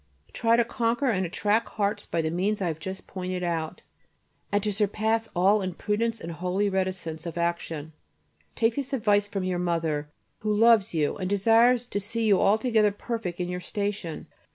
Try to conquer and attract hearts by the means I have just pointed out, and to surpass all in prudence and holy reticence of action. Take this advice from your mother, who loves you and desires to see you altogether perfect in your station.